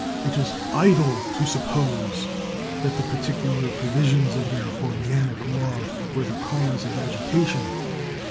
It is idle to suppose that the particular provisions of their organic law were the cause of agitation.